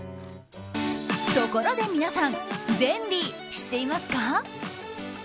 ところで皆さんｚｅｎｌｙ知っていますか？